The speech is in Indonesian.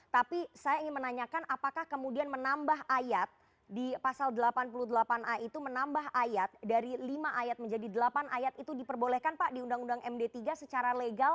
tapi saya ingin menanyakan apakah kemudian menambah ayat di pasal delapan puluh delapan a itu menambah ayat dari lima ayat menjadi delapan ayat itu diperbolehkan pak di undang undang md tiga secara legal